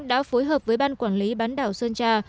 đã phối hợp với ban quản lý bán đảo sơn trà